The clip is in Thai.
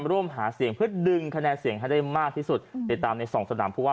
ร่วมหาเสียงเพื่อดึง